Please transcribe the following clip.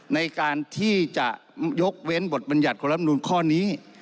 ในการที่จะยกเว้นบทบรรยัติของรัฐมนุนข้อนี้